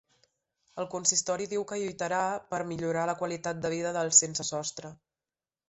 El consistori diu que lluitarà per millorar la qualitat de vida dels sense sostre